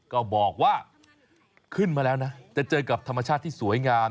ก็บอกว่าขึ้นมาแล้วนะจะเจอกับธรรมชาติที่สวยงาม